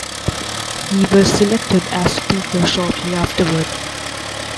He was selected as speaker shortly afterward.